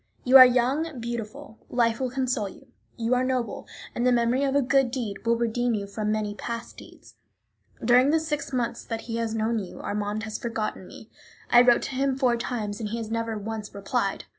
"You are young, beautiful, life will console you; you are noble, and the memory of a good deed will redeem you from many past deeds. During the six months that he has known you Armand has forgotten me. I wrote to him four times, and he has never once replied.